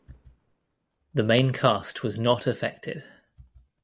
The main cast was not affected.